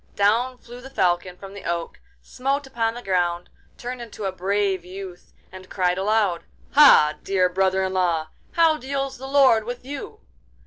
Down flew the Falcon from the oak, smote upon the ground, turned into a brave youth, and cried aloud: 'Ha, dear brother in law! how deals the Lord with you?